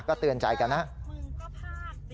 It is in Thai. ก็เตือนใจกันนะฮะ